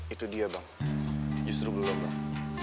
itu dia bang justru berubah bang